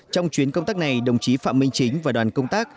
trong chuyến công tác này đồng chí phạm minh chính và đoàn công tác